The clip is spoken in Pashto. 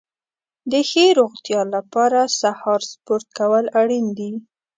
د ښې روغتیا لپاره سهار سپورت کول اړین دي.